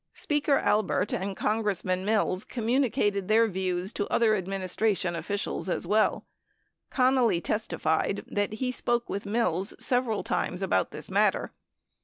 Speaker Albert and Congressman Mills communicated their views to other administration officials, as well. Connally testified that he spoke with Mills several times about this matter.